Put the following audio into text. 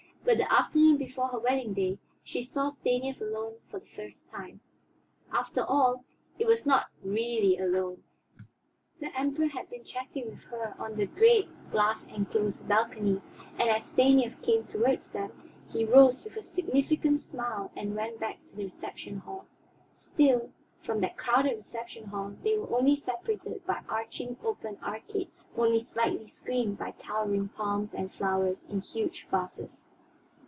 But the afternoon before her wedding day, she saw Stanief alone for the first time. After all, it was not really alone. The Emperor had been chatting with her on the great glass enclosed balcony, and as Stanief came toward them, he rose with a significant smile and went back to the reception hall. Still, from that crowded reception hall they were only separated by arching, open arcades; only slightly screened by towering palms and flowers in huge vases.